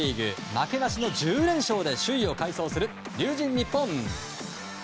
負けなしの１０連勝で首位を快走する龍神ＮＩＰＰＯＮ。